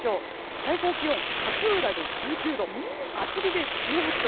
最高気温、勝浦で１９度厚木で１８度。